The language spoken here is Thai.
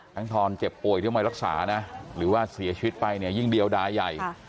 ทางทรเจ็บป่วยที่ไม่รักษาหรือว่าเสียชีวิตไปยิ่งเดียวดายใหญ่